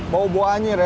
bau bau anjir ya